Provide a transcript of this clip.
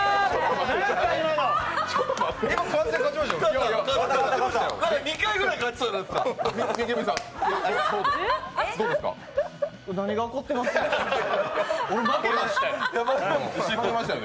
今完全に勝ちましたよね？